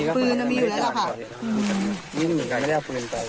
ยืนยันนะคะไม่มีการประทะ